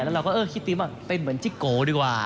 แล้วเราก็คิดถึงว่าเต้นเหมือนจิ๊กโก้ดีกว่า